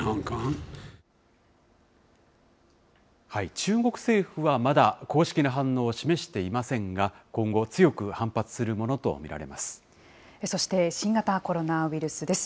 中国政府はまだ、公式な反応を示していませんが、今後、強く反発するものと見られそして新型コロナウイルスです。